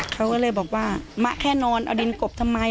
เขาก็เลยบอกว่ามะแค่นอนเอาดินกบทำไม